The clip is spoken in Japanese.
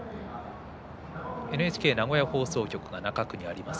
ＮＨＫ名古屋放送局が中区にあります。